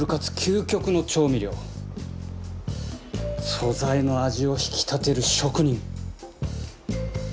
素材の味を引き立てる職人！